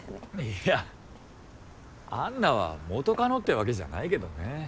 いや安奈は元カノってわけじゃないけどね。